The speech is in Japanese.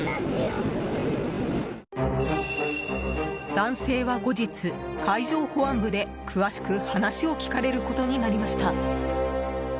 男性は後日海上保安部で詳しく話を聞かれることになりました。